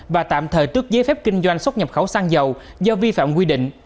và tạm thời tước giấy phép kinh doanh xuất nhập khẩu xăng dầu do vi phạm quy định